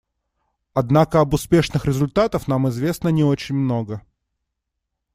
Однако об успешных результатах нам известно не очень много.